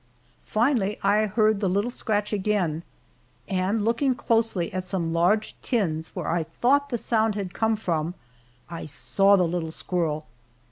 Finally, I heard the little scratch again, and looking closely at some large tins where I thought the sound had come from, I saw the little squirrel.